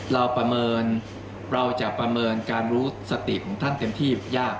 ประเมินเราจะประเมินการรู้สติของท่านเต็มที่ยาก